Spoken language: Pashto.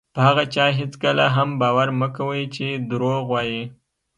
په هغه چا هېڅکله هم باور مه کوئ چې دروغ وایي.